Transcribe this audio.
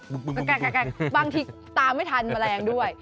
บางทีตามไม่ทันแมลงด้วย